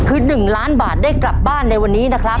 คือ๑ล้านบาทได้กลับบ้านในวันนี้นะครับ